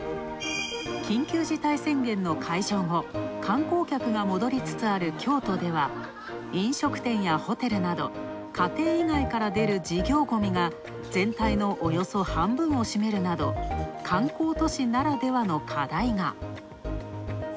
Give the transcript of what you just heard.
緊急事態宣言の解除後、観光客が戻りつつある京都では飲食店やホテルなど、家庭以外から出る事業ゴミが全体のおよそ半分をしめるなど観光都市ならではの課題が。